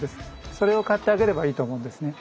それを買ってあげればいいと思うんですね。